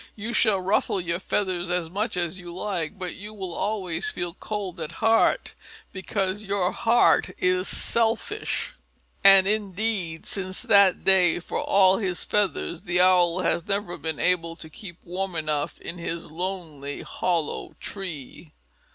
You shall ruffle your feathers as much as you like, but you will always feel cold at heart, because your heart is selfish." And indeed, since that day for all his feathers the Owl has never been able to keep warm enough in his lonely hollow tree.